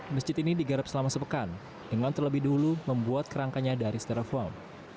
masjid ini digarap selama sepekan dengan terlebih dulu membuat kerangkanya dari stereofoam